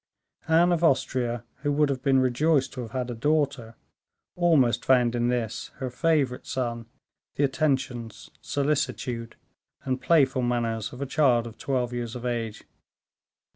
Anne of Austria, who would have been rejoiced to have had a daughter, almost found in this, her favorite son, the attentions, solicitude, and playful manners of a child of twelve years of age.